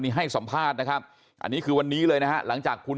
นี่ให้สัมภาษณ์นะครับอันนี้คือวันนี้เลยนะฮะหลังจากคุณ